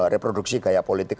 reproduksi gaya politik